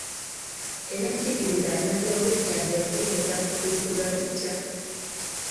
Ebyenjigiza n'ebyobujjanjabi biyinza kutumbulwa bitya?